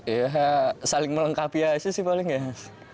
ya saling melengkapi aja sih paling nggak sih